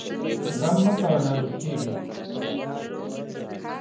غم مه کوه ، ناروغ کېږې!